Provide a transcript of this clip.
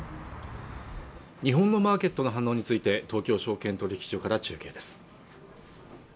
日本のマーケットの反応について東京証券取引所から中継です